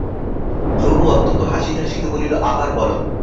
ধ্রুব অত্যন্ত হাসিতে হাসিতে বলিল, আবার বলো।